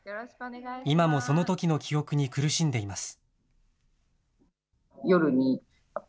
今もそのときの記憶に苦しんでいます。